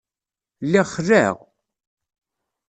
Lliɣ xelɛeɣ.